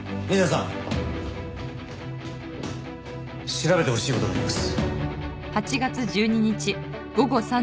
調べてほしい事があります。